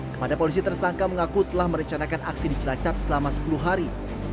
kepada polisi tersangka mengaku telah merencanakan aksi di cilacap selama sepuluh hari